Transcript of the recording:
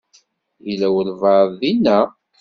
Yella walebɛaḍ dinna?